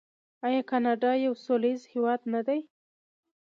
آیا کاناډا یو سوله ییز هیواد نه دی؟